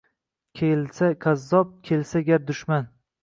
Kelsa kazzob, kelsa gar dushman